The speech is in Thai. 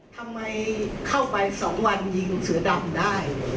ทำไมเข้าไป๒วันยิงเสือดำได้